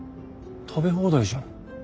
食べ放題じゃん。